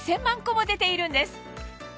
も出ているんです